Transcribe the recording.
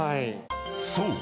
［そう。